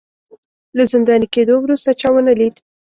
له زنداني کېدو وروسته چا ونه لید